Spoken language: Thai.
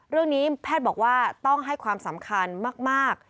เรื่องนี้แพทย์บอกว่าต้องให้ความสำคัญมาก